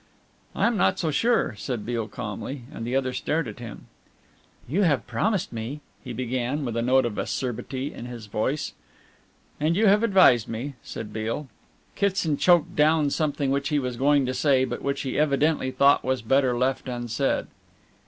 "I am not so sure," said Beale calmly, and the other stared at him. "You have promised me," he began, with a note of acerbity in his voice. "And you have advised me," said Beale. Kitson choked down something which he was going to say, but which he evidently thought was better left unsaid.